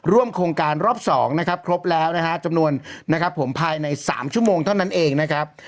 ร่วมโครงการรอบ๒นะครับครบแล้วนะฮะจำนวนนะครับผมภายใน๓ชั่วโมงเท่านั้นเองนะครับ